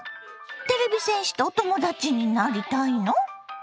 てれび戦士とお友達になりたいの？